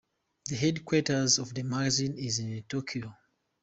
The headquarters of the magazine is in Tokyo.